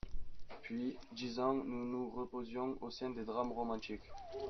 Puis dix ans nous nous reposions Au sein des drames romantiques.